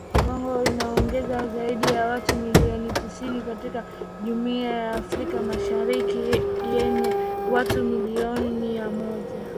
Kongo inaongeza zaidi ya watu milioni tisini katika Jumuia ya Afrika Mashariki yenye watu milioni mia moja sabini na saba